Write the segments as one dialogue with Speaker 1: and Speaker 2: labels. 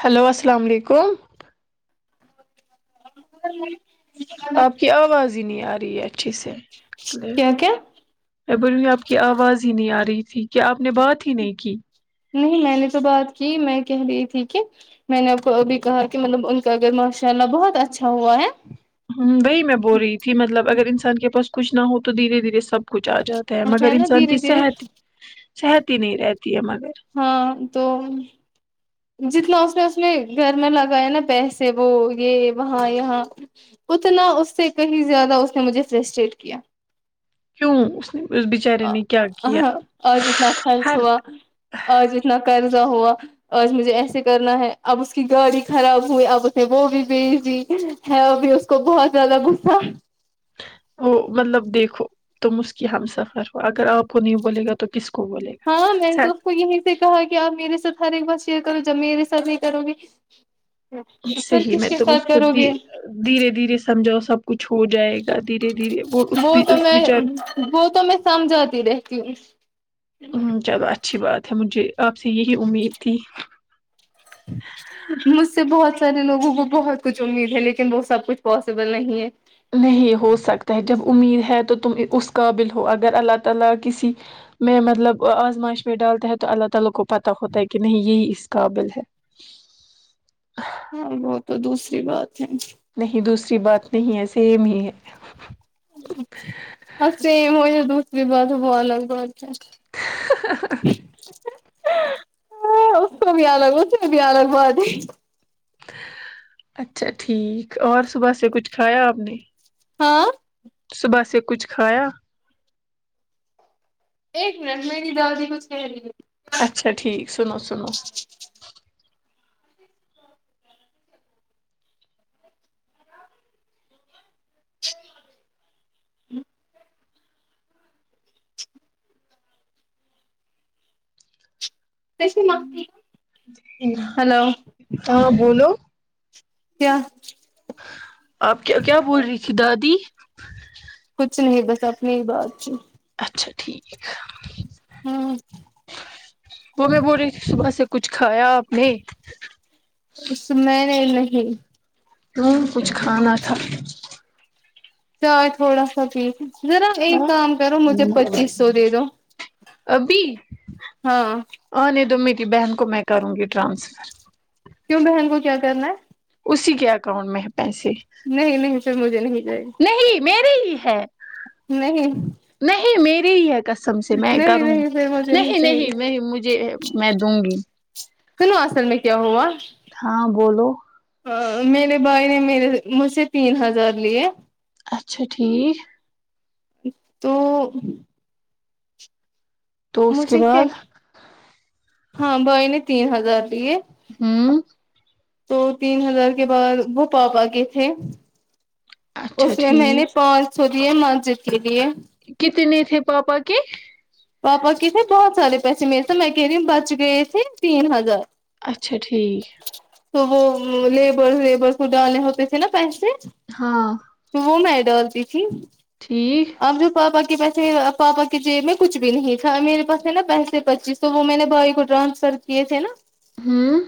Speaker 1: hello السلام علیکم آپ کی آواز ہی نہیں آ رہی ہے اچھی سے
Speaker 2: کیا کیا
Speaker 1: ا بول آپ کی آواز ہی نہیں آ رہی تھی کیا آپ نے بات ہی نہیں کی
Speaker 2: نہیں میں نے تو بات کی میں کہہ رہی تھی کہ میں نے اب کو ابھی کہا کہ مطلب ان کا اگر ماشاء اللہ بہت اچھا ہوا ہے
Speaker 1: ہ وہی میں بول رہی تھی مطلب اگر انسان کے پاس کچھ نہ ہو تو دھیرے دھیرے سب کچھ آ جاتا مگر
Speaker 2: ہے نا
Speaker 1: انسان کی
Speaker 2: دھیرے دھیرے
Speaker 1: صحت صحت ہی نہیں رہتی ہے مگر
Speaker 2: ہاں تو جتنا اس نے اس نے گھر میں لگایا نا پیسے وہ یہ وہاں یہاں اتنا اس سے کہیں زیادہ اس نے مجھے فرسٹریٹ کیا
Speaker 1: کیوں نے اس بیچارے نے کیا کیا
Speaker 2: اور جتنا خرچ
Speaker 1: ہر
Speaker 2: ہوا اور ج اتنا قرضہ ہوا آج مجھے ایسے کرنا ہے اب اس کی گاڑی خراب ہوئی اب اس نے وہ بھی بھیج دی ہے وہ بھی اس کو بہت زیادہ صا
Speaker 1: وہ مطلب دیکھو تم اس کی ہم سفر ہو اگر آپ کو نہیں بولے گا تو کس کو بولے گا
Speaker 2: ہاں میں نے تو اس کو یہیں سے کہا کہ آپ میرے ساتھ ہر ایک بار شیئر کرو جب میرے ساتھ نہیں کروں گی ا سر
Speaker 1: صحیح
Speaker 2: کس
Speaker 1: میں
Speaker 2: کے
Speaker 1: تم اس
Speaker 2: ساتھ
Speaker 1: کو
Speaker 2: کرو
Speaker 1: دی
Speaker 2: گے
Speaker 1: دھیرے دھیرے سمجھاؤ سب کچھ ہو جائے گا دھیرے دھیرے وہ اس
Speaker 2: تو
Speaker 1: اس
Speaker 2: میں
Speaker 1: وچار
Speaker 2: وہ تو میں سمجھاتی رہتی ہوں
Speaker 1: ہ چلو اچھی بات ہے مجھے آپ سے یہی امید تھی ہ
Speaker 2: مجھ سے بہت سارے لوگوں کو بہت کچھ امید ہے لیکن وہ سب کچھ پاسبل نہیں ہے
Speaker 1: نہیں ہو سکتا ہے جب امید ہے تو تم اس قابل ہو اگر اللہ تعالی کسی میں مطلب آزمائش میں ڈالتا ہیں تو اللہ تعالی کو پت ہوتا ہے کہ نہیں یہی اس قابل ہے
Speaker 2: ہاں وہ تو دوسری بات ہے
Speaker 1: نہیں دوسری بات نہیں ہے سیم ہی ہے
Speaker 2: اور سیم ہو ج دوسری بات وہ الگ بات ہے
Speaker 1: ہاں
Speaker 2: اس کو بھی الگ اس کو بھی الگ بات ہے
Speaker 1: اچھا ٹھیک اور صبح سے کچھ کھایا آپ نے
Speaker 2: ہاں
Speaker 1: صبح سے کچھ کھایا
Speaker 2: ایک منٹ میری دادی کوچ کہہ رہ
Speaker 1: اچھا ٹھیک سنو سنو
Speaker 2: ہوں کسے نوڈی
Speaker 1: ہاں بولو
Speaker 2: کیا
Speaker 1: آپ کیا کیا بول رہی تھی دادی
Speaker 2: کچھ نہیں بس اپنی ہی بات چ
Speaker 1: اچھا ٹھیک
Speaker 2: ہاں
Speaker 1: وہ میں بول رہی تھی صبح سے کچھ کھایا آپ نے
Speaker 2: س میں نہیں
Speaker 1: کیوں کچھ کھانا تھا
Speaker 2: چار تھوڑا سا پیس ذرا ایک
Speaker 1: ہاں
Speaker 2: کام کرو مجھے پچیس سو دے دو ہاں
Speaker 1: ہ نہیں تو میری بہن کو میں کروں گی ٹرانسفر
Speaker 2: کیوں بہن کو کیا کرنا ہے
Speaker 1: اسی کے اکاؤنٹ میں ہے پیسے
Speaker 2: نہیں نہیں پھر مجھے نہیں چاہیے
Speaker 1: میرری ہی ہے
Speaker 2: نہیں
Speaker 1: نہیں میری ہی ہےقسم سے میں
Speaker 2: نہیں
Speaker 1: کروں گی
Speaker 2: نہیں پھر مجھے
Speaker 1: نہیں
Speaker 2: چاہیے
Speaker 1: نہیں میں مجھے میں دوں گی
Speaker 2: سنو اصل میں کیا ہوا
Speaker 1: ہاں بولو
Speaker 2: میرے بھائی نے میرے مجھ سے تین ہزار لیے
Speaker 1: اچھا ٹھیک
Speaker 2: تو
Speaker 1: تو اس کے
Speaker 2: مجھے کیا
Speaker 1: بعد
Speaker 2: ہاں بھائی نے تین ہزار لیے
Speaker 1: ہوں
Speaker 2: تو تین ہزار کے بعد وہ پاپا کے تھے
Speaker 1: اچھا
Speaker 2: اس میں مینے
Speaker 1: ٹھیک
Speaker 2: پانچ سو دیے مسجد کے لیے
Speaker 1: کتنے تھے پاپا کے
Speaker 2: پاپا کے تھے بہت سارے پیسے میرے تھے میں کہہ رہی ہوں بچ گئے تھے تین ہزار
Speaker 1: اچھا ٹھیک
Speaker 2: تو وہ لیبر لیبرکو ڈالے ہوتے تھے نا پیسے
Speaker 1: ہاں
Speaker 2: تو وہ میں ڈالتی تھی
Speaker 1: ٹھیک
Speaker 2: اب جو پاپا کے پیسے پاپا کے جیب میں کچھ بھی نہیں تھا میرے پاس ہے نا پیسے پچیس تو وہ میں نے بھائی کو ٹرانسفر کیے تھے نا
Speaker 1: ہوں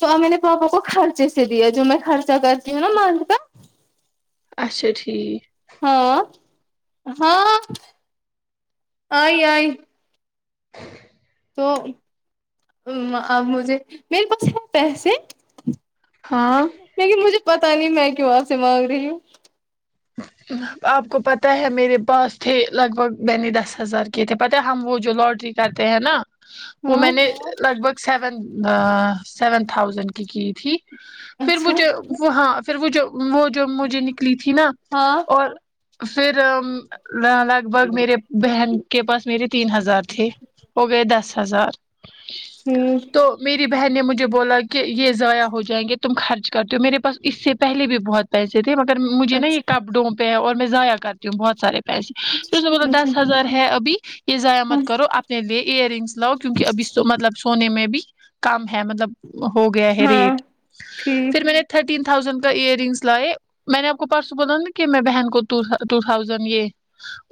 Speaker 2: تو میں نے پاپا کو خرچے سے دیا جو میں خرچا کرتی ہوں نا منتھ کا
Speaker 1: اچھا ٹھیک
Speaker 2: ہاں ہاں آئی آئی تو ا مجھے میرے پاس ہے پیسے
Speaker 1: ہاں
Speaker 2: لیکن مجھے پتا نہیں میں کیوں آپ سے مانگ رہی ہوں
Speaker 1: آپ کو پتہ ہے میرے پاس تھے لگ بھگ میں نے دس ہزار کی تھے پتہ ہم وہ جو لاٹری کرتے ہیں نا وہ
Speaker 2: ہاں
Speaker 1: میں نے لگ بھگ سیون سیون تھاؤزینڈ کی کی تھی پھر وہ
Speaker 2: اچھا
Speaker 1: جوے وہ ہاں پھر وہ جو وہ جو مجھے نکلی تھی نا
Speaker 2: ہاں
Speaker 1: اور پھر لگ بھگ میرے بہن کے پاس میرے تین ہزار تھے ہو گئے دس ہزار
Speaker 2: ہوں
Speaker 1: تو میری بہن نے مجھے بولا کہ یہ ضائع ہو جائیں گے تم خرچ کرتے ہو میرے پاس اس سے پہلے بھی بہت پیسے تھے مگر مجھے نا یہ
Speaker 2: اچھا
Speaker 1: کپڑوں پے اور میں زیا کرتی ہوں بہت سارے پیسے پھر اس نے بولا
Speaker 2: اچھا
Speaker 1: دس ہزار ہے ابھی یہ ضائع مت کرو اپنے لیے ایئر رنگس لاؤ کیونکہ ابھی مطلب سونے میں بھی کم ہے مطلب ہو گیا ہے
Speaker 2: ہاں
Speaker 1: ریٹ
Speaker 2: ٹھیک
Speaker 1: پھر میں نے تھرٹین تھاؤزینڈ کا ایئر رنگس لائے میں نے آپ کو پاس ب نا کہ میں بہن کو ٹو تھازینڈ یہ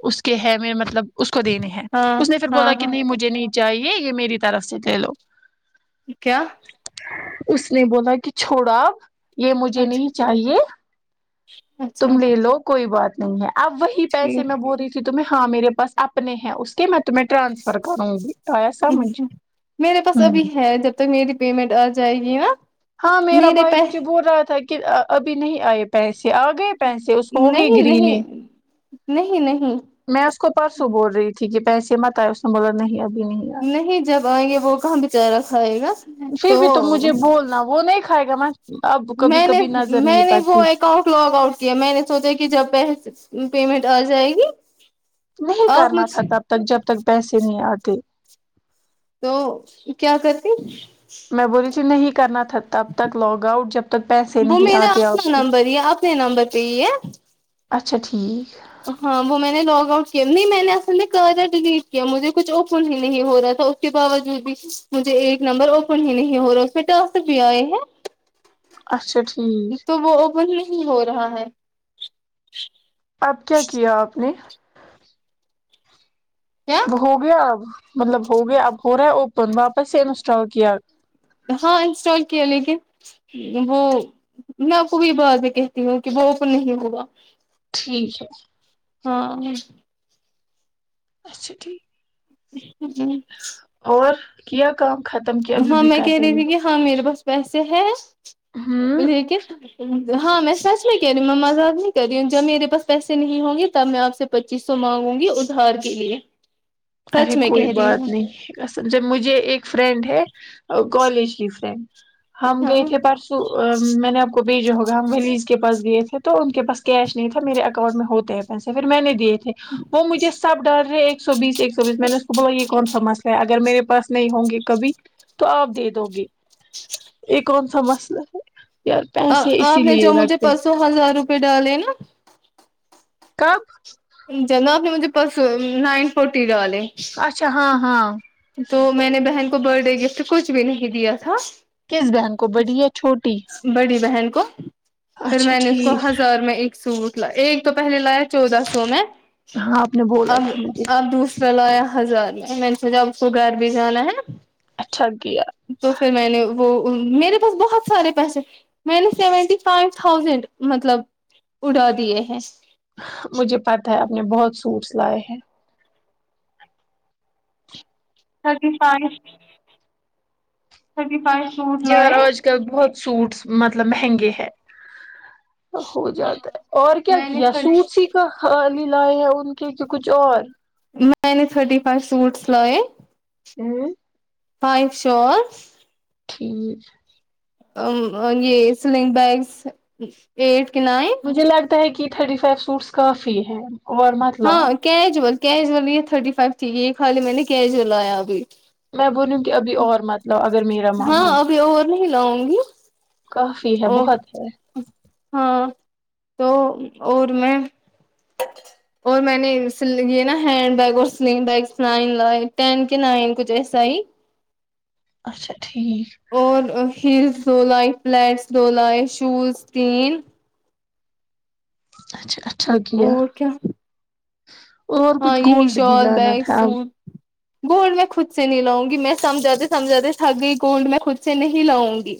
Speaker 1: اس کے ہے مطلب اس کو دینے ہے
Speaker 2: ہاں
Speaker 1: اس نے پھر
Speaker 2: ہاں
Speaker 1: بولا کہ
Speaker 2: ہاں
Speaker 1: نہیں مجھے نہیں چاہیے یہ میری طرف سے لے لو
Speaker 2: کیا
Speaker 1: اس نے بولا کہ چھوڑو اپ یہ مجھے
Speaker 2: اچھا
Speaker 1: نہیں چاہیے
Speaker 2: اچھا
Speaker 1: تم لے لو کوئی بات نہیں ہے اب وہی پیسے میں
Speaker 2: ٹھیک
Speaker 1: بول رہی کے تمہیں ہاں میرے پاس اپنے ہیں اس کے مت تو میں ٹرانسفر کروں گی آیا سا مجھ ہوں
Speaker 2: تو میری پیمنٹ آ جائے گی نا
Speaker 1: ہاں میرا
Speaker 2: میرے
Speaker 1: بھائی
Speaker 2: پے
Speaker 1: مجھے بول رہا تھا کہ ابھی نہیں آئے پیسے آ گئے پیسے اس کو ہو گئے
Speaker 2: نہیں
Speaker 1: گرین
Speaker 2: نہیں نہیں نہیں
Speaker 1: میں اس کو پرسوں بول رہی تھی کہ پیسے مت آئے اس نے بولا نہیں ابھی نہیں آئے
Speaker 2: نہیں جب آئیں گے وہ کہاں بچارہ کھائے گا
Speaker 1: پھر بھی تو مجھے بولنا وہ نہیں کھائے گا اب کبھی
Speaker 2: میں نے
Speaker 1: کبھی نظر نہیں
Speaker 2: میں نے وہ
Speaker 1: پڑتی
Speaker 2: اکاؤٹ کو لگ آؤٹ کیا میں نے سوچا کہ جب پے پیمنٹ آ جائے گی
Speaker 1: نہیں
Speaker 2: آپ
Speaker 1: کرنا
Speaker 2: مجھ
Speaker 1: تھا تب
Speaker 2: تو
Speaker 1: تک جب تک پیسے نہیں آتے
Speaker 2: تو کیا کرتی
Speaker 1: میں بولی رہی تھی نہیں کرنا تھا تب تک لاگ آؤٹ جب تک پیسے نہیں آتے آپ کے
Speaker 2: کتنے نمبر پہ یہ
Speaker 1: اچھا ٹھیک
Speaker 2: ہاں وہ میں نے لاگ آؤٹ کیا نہیں میں نے اصل میں کریا ڈیلیٹ کیا مجھے کچھ اوپن ہی نہیں ہو رہا تھا اس کے باوجود بھی مجھے ایک نمبر اوپن ہی نہیں ہو رہا پھر ٹاسک بھی آئے ہیں
Speaker 1: اچھا ٹھیک
Speaker 2: تو وہ اوپن نہیں ہو رہا ہے
Speaker 1: اب کیا کیا آپ نے
Speaker 2: کیا
Speaker 1: وہ ہو گیا اب مطلب ہو گیا اب ہو رہا ہے اوپن واپس سے انسٹال کیا
Speaker 2: ہاں انسٹال کیا لیکن وہ میں آپ کوو یہ بعد میں کہتی ہوں کہ وہ اوپن نہیں ہوگا
Speaker 1: ٹھیک ہے
Speaker 2: ہاں
Speaker 1: اچھا ٹھیک
Speaker 2: پتا نہی
Speaker 1: اور کیا کام ختم کی ابھی
Speaker 2: ہاں
Speaker 1: بھی
Speaker 2: میں
Speaker 1: کر
Speaker 2: کہہ
Speaker 1: رہی ہوں
Speaker 2: تھی کہ ہاں میرے پاس پیسے ہے
Speaker 1: ہوں
Speaker 2: لیکن ہاں میں سچ میں کہہ رہی ہوں میں مذاق نہیں کر رہی ہوں جب میرے پاس پیسے نہیں ہونگے تب میں آپ سے پچیس سو مانگوں گی ادھار کے لیے
Speaker 1: ارے
Speaker 2: سچ میں
Speaker 1: کوئی
Speaker 2: کہہ رہی
Speaker 1: بات
Speaker 2: ہوں
Speaker 1: نہیں سمھ مجھے ایک فرینڈ ہے کالج کی فرینڈ ہم گئے تھے پرسوں ا میں نے آپ کو بھیجا ہوگا ہم ولیز کے پاس گئے تھے تو ان کے پاس کیش نہیں تھا میرے اکاؤنٹ میں ہوتا ہے پیسے پھر میں نے دیے تھے وہ مجھے سب ڈال رہے ہیں ایک سو بیس ایک سو بیس میں نے بول یہ کون سا مسئلہ ہے اگر میرے پاس نہیں ہوں گے کبھی تو آپ دے دو گے یہ کون سا مسئلہ ہے یار
Speaker 2: ہاں
Speaker 1: پیسے اسی
Speaker 2: آپ نے
Speaker 1: لیے
Speaker 2: جو مجھے
Speaker 1: رکھتے ہیں
Speaker 2: پرسوں ہزار روپئے ڈالے نا
Speaker 1: کب
Speaker 2: جناب نے مجھے پرس نائن فورٹی ڈالے
Speaker 1: اچھا ہاں ہاں
Speaker 2: تو میں نے بہن کو برتھ ڈے گفٹ کچھ بھی نہیں دیا تھا
Speaker 1: کس بہن کو بڑی یا چھوٹی
Speaker 2: بڑی بہن کو پھر
Speaker 1: اچھا
Speaker 2: میں نے اس کو
Speaker 1: ٹھیک
Speaker 2: ہزار میں ایک سوٹ ل ایک تو پہلے لایا چودہ سو میں
Speaker 1: ہاں آپ نے بولا
Speaker 2: ا
Speaker 1: تھا مجھے
Speaker 2: اب دوسرا لایا ہزار میں میں نے سوچا اب گھر بھی جانا ہے
Speaker 1: اچھا کیا
Speaker 2: تو پھر میں نے وہ ا میرے پاس بہت سارے پیسے میں نے سیونٹی فائیو تھاؤزینڈ مطلب اڑا دیے ہیں
Speaker 1: مجھے پتا ہے آپ نے بہت سوٹس لائے ہیں
Speaker 2: thirty five thirty five suit
Speaker 1: یار
Speaker 2: لائے
Speaker 1: آج کل بہت سوٹس مطلب مہنگے ہیں ہو
Speaker 2: ہاں
Speaker 1: جاتا ہے اور کیا
Speaker 2: میں نے
Speaker 1: کیا سوٹ س خال لائے ہیں ان کے کہ کچھ اور
Speaker 2: میں نے تھرٹی فائیو سوٹس لائے
Speaker 1: ہمم
Speaker 2: فائیو شور
Speaker 1: چھیز
Speaker 2: ا م یہ سلنگ بیگس ایٹ کہ نائن
Speaker 1: مجھے لگتا ہے کہ تھرٹی فائیو سوٹس کافی ہے اور مت لاؤ
Speaker 2: ہاں کیجول کیجل یہ تھرٹی فائیو ت یہ خالی میں نے کیجل لیا ابھی
Speaker 1: میں بولوں کے ابھی اور مطلب اگر میرا مانو
Speaker 2: ہاں
Speaker 1: ہوگی
Speaker 2: ابھی نہیں لاؤںگی
Speaker 1: کافی ہے
Speaker 2: ا
Speaker 1: بہت ہے
Speaker 2: ہاں تو اور میں اور میں نے یہ نا ہینڈ بیگ اور سلنگ بیگس نائن لائے ٹین کے نائن کچھ ایسا ہی
Speaker 1: اچھا ٹھیک
Speaker 2: اور ہیلس دو لائے فیلٹس دو لائے شوز تین
Speaker 1: اچھا اچھا کیا اور
Speaker 2: ہاں
Speaker 1: کچھ
Speaker 2: یہی
Speaker 1: گولڈ بھی
Speaker 2: شال
Speaker 1: لانا
Speaker 2: بیگ
Speaker 1: تھا آپ
Speaker 2: سوٹ گولڈ میں خود سے نہیں لاؤںگی میں سمجھاتے سمجھاتے تھک گئی گولڈ میں خود سے نہیں لاؤںگی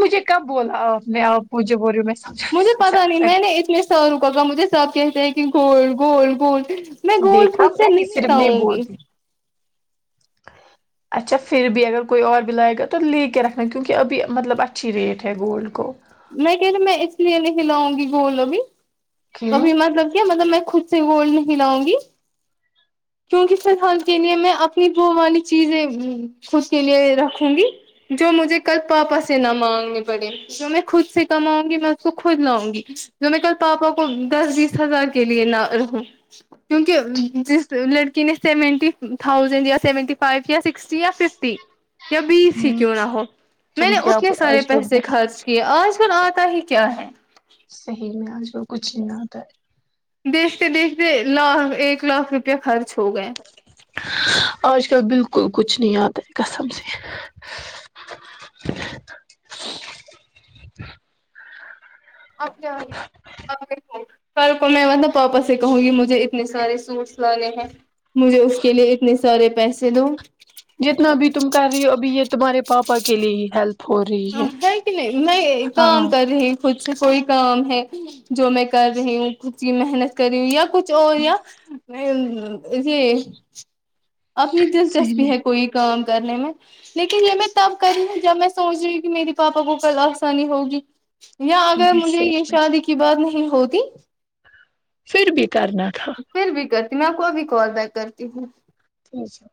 Speaker 1: مجھے کب بولا آپ نے آپ مجھے بول رہی ہوں میں سمجھا نہیں
Speaker 2: مجھے پتا نہیں
Speaker 1: سمجھا
Speaker 2: میں نے اتنے سللوں کا گم مجھے سب کہتے ہیں کہ گولڈ گولڈ گولڈ میں گولڈ
Speaker 1: دیکھا
Speaker 2: خود
Speaker 1: میں
Speaker 2: سے
Speaker 1: ہی
Speaker 2: نہیں
Speaker 1: صرف
Speaker 2: لاؤںگی
Speaker 1: بولتی اچھا پھر بھی اگر کوئی اور بھی لائےگا تو لے کے رکھنا کیونکہ ابھی مطلب اچھی ریٹ ہے گولڈ کو
Speaker 2: میں کہینا میں اس لیے نہیں لاؤںگی گولڈ ابھی
Speaker 1: کیوں
Speaker 2: کبھی مطلب کیا مطلب میں خود سے گولڈ نہیں لاؤںگی کیونکی فی الحال کے لیے میں اپنی وہ والی چیزیں خود کے لیے رکھوں گی جو مجھے کل پاپا سے نہ مانگنے پڑے جو میں خود سے کماؤںگی میں اس کو خود لاؤںگی جو میں کل پاپا کو کو دس بیس ہزار کے لیے نہ رہوں کیونکہ جس لڑکی نے سیونٹی تھاؤزینڈ یا سیونٹی فائیو یا سکسٹی یا ففٹی یا بیس ہی
Speaker 1: ہوں
Speaker 2: کیوں نہ ہو میں
Speaker 1: تم
Speaker 2: نے
Speaker 1: کیا
Speaker 2: اتنے سارے
Speaker 1: آج کل
Speaker 2: پیسے
Speaker 1: بہت
Speaker 2: خرچ کیاآج کل آتا ہی کیا ہے
Speaker 1: صحیح میں آج کل کچھ ہی نہ آتا ہے
Speaker 2: دیکھتے دیکھتے لاکھ ایک لاکھ روپیہ خرچ ہو گئے
Speaker 1: آج کل بالکل کچھ نہیں آتا ہے قسم سے
Speaker 2: [unintelligible] کل کو میں مطلب پاپا سے کہوںگی مجھے اتنے سارے سوٹس لانے ہیں مجھے اس کے لیے اتنے سارے پیسے دو
Speaker 1: جتنا بھی تم کر رہی ہو ابھی یہ تمہارے پاپا کے لیے ہیلپ ہو رہی
Speaker 2: ہے کی نہیں میں
Speaker 1: ہاں
Speaker 2: کام کررہی خود سے کوئی کام ہے جو میں کر رہی ہوں کچھ محنت کر رہی ہوں یا کچھ اور یا یہ اپنی
Speaker 1: صحیح
Speaker 2: دلچسپی
Speaker 1: میں
Speaker 2: ہے کوئی کام کرنے میں لیکن یہ میں تب کری ہوں جب میں سوچ رہی میری پاپا کو کل آسانی ہوگی یا اگر
Speaker 1: ہاں
Speaker 2: مجھے
Speaker 1: صحیح،
Speaker 2: یہ شادی کی کی بات نہیں ہوتی
Speaker 1: پھر بھی کرنا تھا
Speaker 2: پھر بھی کرتی میں آپ کو ابھی کال بیک کرتی ہوں
Speaker 1: اچھا